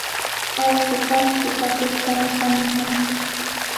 Allquqa suqakuqtami kanikun.